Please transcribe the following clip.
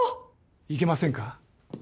いけませんか？